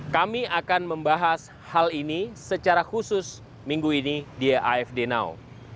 kami akan membahas hal ini secara khusus minggu ini di afd now